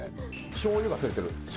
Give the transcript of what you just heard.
しょうゆが釣れてる。